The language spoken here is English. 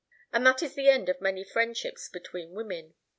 And that is the end of many friendships between women.